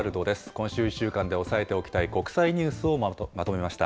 今週１週間で押さえておきたい国際ニュースをまとめました。